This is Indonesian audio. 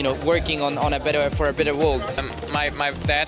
untuk menunjukkan bahwa kita sedang bekerja untuk dunia yang lebih baik